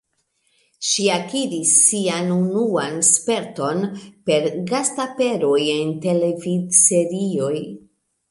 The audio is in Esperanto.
Ŝi akiris sian unuan sperton per gast-aperoj en televidserioj.